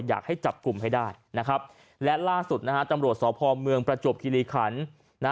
อยากให้จับกลุ่มให้ได้นะครับและล่าสุดนะฮะตำรวจสพเมืองประจวบคิริขันนะ